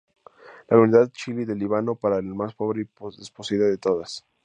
La comunidad chií del Líbano era la más pobre y desposeída de todas.